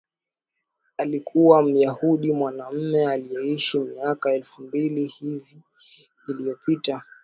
alikuwa Myahudi mwanamume aliyeishi miaka elfu mbili hivi iliyopita